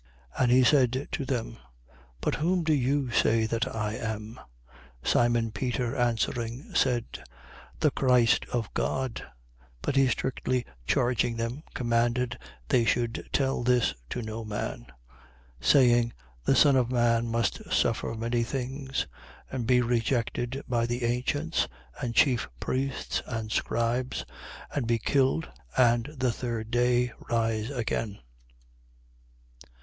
9:20. And he said to them: But whom do you say that I am? Simon Peter answering, said: The Christ of God. 9:21. But he strictly charging them, commanded they should tell this to no man. 9:22. Saying: The Son of man must suffer many things and be rejected by the ancients and chief priests and scribes and be killed and the third day rise again.